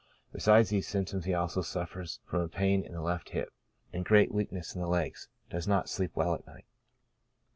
Besides these symptoms, he also suffers from a pain in the left hip, and great weakness in the legs, does not sleep well at night.